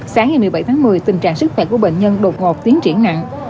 sáng ngày một mươi bảy tháng một mươi tình trạng sức khỏe của bệnh nhân đột ngột tiến triển nặng